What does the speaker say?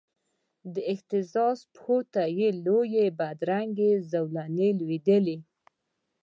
د اهتزاز پښو ته یې لویي بدرنګې زولنې لویدلې